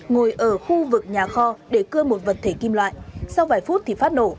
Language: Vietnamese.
ngồi ở khu vực nhà kho để cưa một vật thể kim loại sau vài phút thì phát nổ